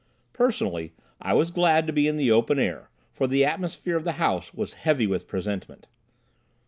Personally, I was glad to be in the open air, for the atmosphere of the house was heavy with presentiment.